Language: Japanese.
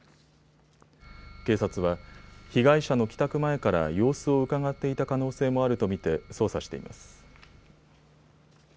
警察は被害者の帰宅前から様子をうかがっていた可能性もあると見て捜査しています。